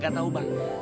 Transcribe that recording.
gak tahu bang